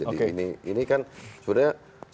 ini kan sebenarnya